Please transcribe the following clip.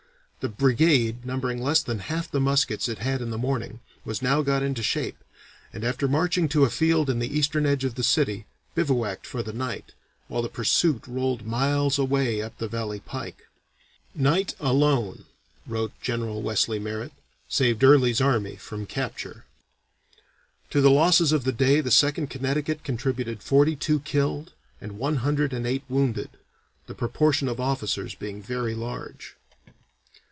The brigade, numbering less than half the muskets it had in the morning, was now got into shape, and after marching to a field in the eastern edge of the city, bivouacked for the night, while the pursuit rolled miles away up the valley pike." Night alone, wrote General Wesley Merritt, saved Early's army from capture. To the losses of the day the Second Connecticut contributed forty two killed and one hundred and eight wounded, the proportion of officers being very large.